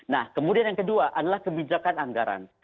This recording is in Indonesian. nah kemudian yang kedua adalah kebijakan anggaran